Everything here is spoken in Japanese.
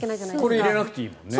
これ入れないでいいもんね。